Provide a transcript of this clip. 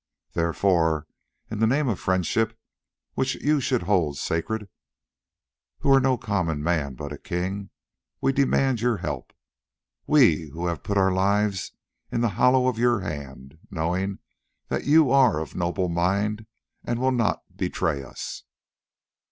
Therefore in the name of friendship, which you should hold sacred, who are no common man but a king, we demand your help, we who have put our lives in the hollow of your hand, knowing that you are of noble mind and will not betray us.